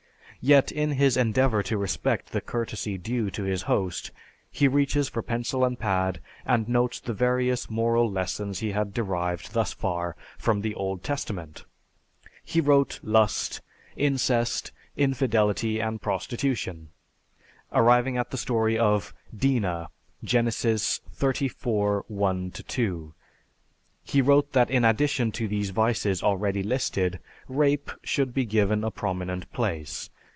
Yet, in his endeavor to respect the courtesy due to his host, he reaches for pencil and pad, and notes the various moral lessons he had derived thus far from the Old Testament. He wrote lust, incest, infidelity, and prostitution; arriving at the story of Dinah, Genesis XXXIV, 1 2, he wrote that in addition to those vices already listed, rape should be given a prominent place.